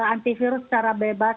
antivirus secara bebas